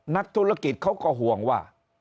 นักธุรกิจเขาก็ห่วงว่า